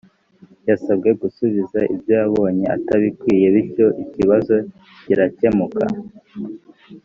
yasabwe gusubiza ibyo yabonye atabikwiye bityo ikibazo kirakemuka